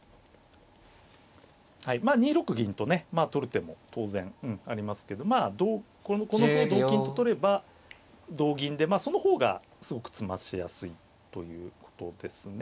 はいまあ２六銀とね取る手も当然ありますけどまあこの歩を同金と取れば同銀でその方がすごく詰ましやすいということですね。